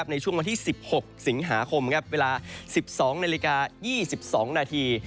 ในช่วงวันที่๑๖สิงหาคมเวลา๑๒นาฬิกา๒๒นาที